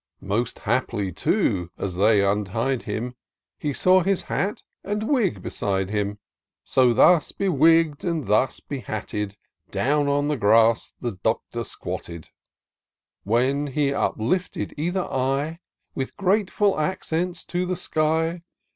Most haply, too, as they untied him. He saw his hat and wig beside him : So, thus bewigg'd and thus behatted, Down on the grass the Doctor squatted ; When he uplifted either eye. With grateful accents to the sky.